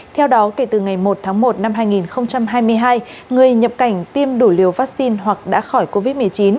theo đó kể từ ngày một tháng một năm hai nghìn hai mươi hai người nhập cảnh tiêm đủ liều vaccine hoặc đã khỏi covid một mươi chín